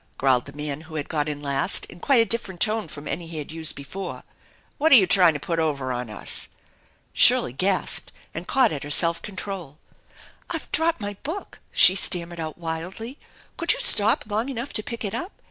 growled the man who had got in last in quite a different tone from any he had used before * c What you tryin' to put over on us ?" Shirley gasped and caught at her self control. "I've dropped my book," she stammered out wildly "Could you stop long enough to pick it up?